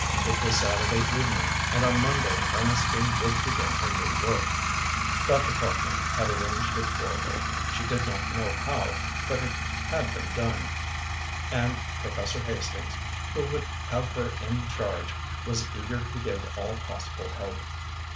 It was Saturday evening, and on Monday Ernestine would begin her new work. Dr. Parkman had arranged it for her she did not know how, but it had been done, and Professor Hastings, who would have her in charge, was eager to give all possible help.